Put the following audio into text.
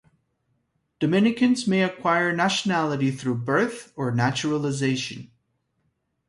Dominicans may acquire nationality through birth or naturalization.